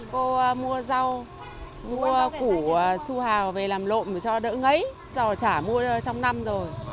cô mua rau mua củ su hào về làm lộn cho đỡ ngấy rồi trả mua trong năm rồi